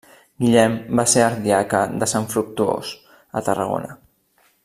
Guillem va ser ardiaca de Sant Fructuós, a Tarragona.